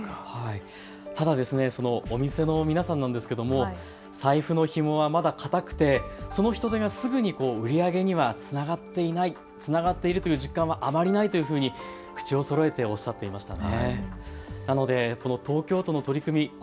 ただお店の皆さんなんですけども財布のひもはまだ固くて、その人出がすぐに売り上げにはつながっていない、つながっている実感はあまりないというふうに口をそろえておっしゃっていましたね。